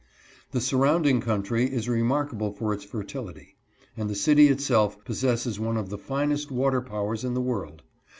The surrounding country is remarkable for its fertility, and the city itself possesses one of the finest water powers in the world.